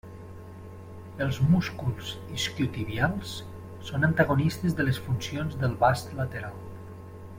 Els músculs isquiotibials són antagonistes de les funcions del vast lateral.